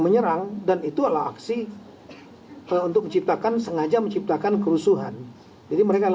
menyerang dan itu adalah aksi untuk menciptakan sengaja menciptakan kerusuhan jadi mereka